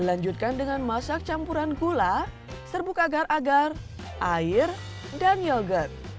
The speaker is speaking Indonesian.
dilanjutkan dengan masak campuran gula serbuk agar agar air dan yogurt